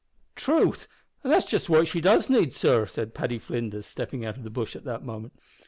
"Troth, an' that's just what she does need, sor!" said Paddy Flinders, stepping out of the bush at the moment.